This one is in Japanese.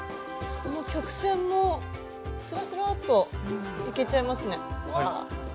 この曲線もスラスラッといけちゃいますね。